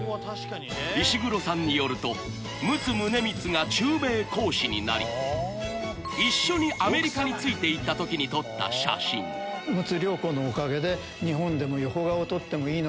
石黒さんによると陸奥宗光が駐米公使になり一緒にアメリカについて行った時にと思ったらしいんです。